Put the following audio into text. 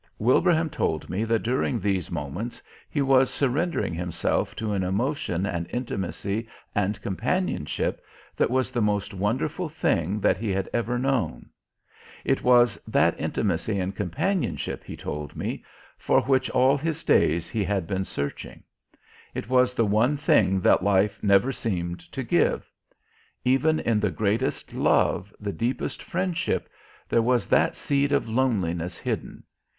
Wilbraham told me that during these moments he was surrendering himself to an emotion and intimacy and companionship that was the most wonderful thing that he had ever known. It was that intimacy and companionship, he told me, for which all his days he had been searching. It was the one thing that life never seemed to give; even in the greatest love, the deepest friendship, there was that seed of loneliness hidden.